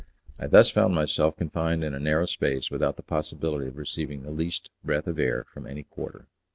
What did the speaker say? I thus found myself confined in a narrow space without the possibility of receiving the least breath of air from any quarter.